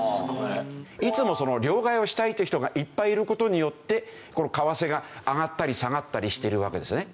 いつも両替をしたいという人がいっぱいいる事によって為替が上がったり下がったりしているわけですね。